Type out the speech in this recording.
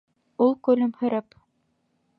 Ул көлөмһөрәп: